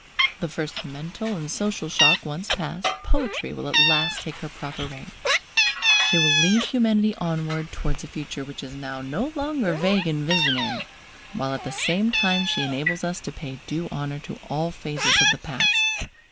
The first mental and social shock once passed, Poetry will at last take her proper rank. She will lead Humanity onward towards a future which is now no longer vague and visionary, while at the same time she enables us to pay due honour to all phases of the past.